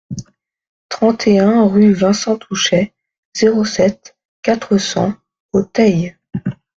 trente et un rue Vincent Touchet, zéro sept, quatre cents au Teil